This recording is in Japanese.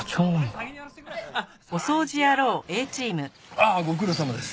ああご苦労さまです。